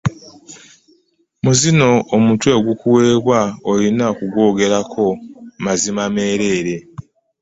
Mu zino omutwe ogukuweebwa olina kugwogerako mazima meereere.